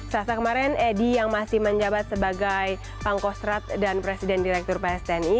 sasa kemarin edy yang masih menjabat sebagai pangkostrat dan presiden direktur psni